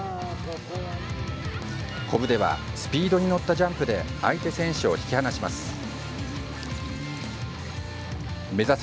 こぶではスピードに乗ったジャンプで相手選手を引き離します。